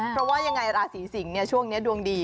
เพราะว่ายังไงราศีสิงศ์ช่วงนี้ดวงดี